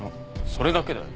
それだけだよ。